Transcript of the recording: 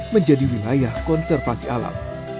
menjadi wilayah konservasi alam